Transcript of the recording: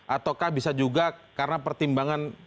ataukah bisa juga karena pertimbangan